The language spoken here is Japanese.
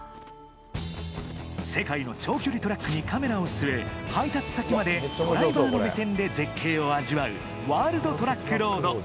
世界の長距離トラックにカメラを据え、配達先までドライバーの目線で絶景を味わう「ワールド・トラックロード」。